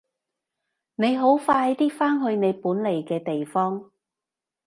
你好快啲返去你本來嘅地方！